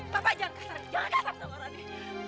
papa jangan kasar jangan kasar sama rani